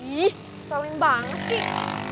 ih stalling banget sih